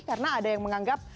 karena ada yang menganggap